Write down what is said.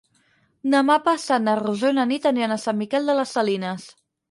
Demà passat na Rosó i na Nit aniran a Sant Miquel de les Salines.